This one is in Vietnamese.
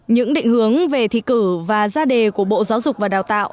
những định hướng về thí cử và gia đề của bộ giáo dục và đào tạo